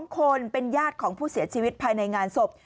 ๒คนเป็นญาติของผู้เสียชีวิตภายในงานศพ